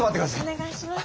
お願いします。